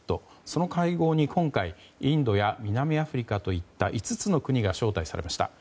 その会合に今回インドや南アフリカといった５つの国が招待されました。